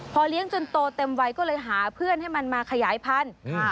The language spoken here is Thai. พอเลี้ยงจนโตเต็มวัยก็เลยหาเพื่อนให้มันมาขยายพันธุ์